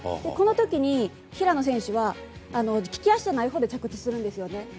この時に平野選手は利き足じゃないほうで着地するんですよね。